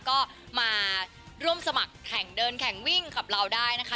ก็มาร่วมสมัครแข่งเดินแข่งวิ่งกับเราได้นะคะ